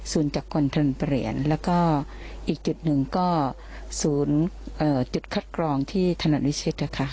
สูญจากคนทนเปลี่ยนแล้วก็อีกจุดหนึ่งก็สูญจุดคัดกรองที่ถนัดวิเศษค่ะ